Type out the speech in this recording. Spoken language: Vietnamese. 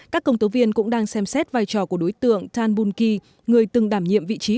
các công tố viên cũng đang xem xét vai trò của đối tượng tan bunki người từng đảm nhiệm vị trí